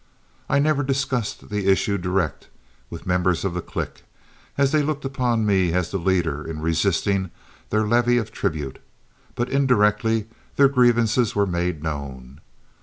I never discussed the issue direct with members of the clique, as they looked upon me as the leader in resisting their levy of tribute, but indirectly their grievances were made known.